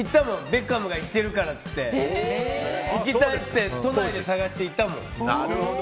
ベッカムが行ってるからって行きたくて都内で探して行ったもん。